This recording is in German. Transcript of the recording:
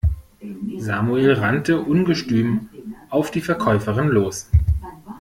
Samuel rannte ungestüm auf die Verkäuferin los.